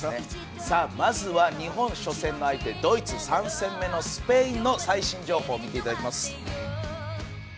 まずは日本最初の相手、ドイツそして３戦目の相手のスペインの最新情報を見ていきます。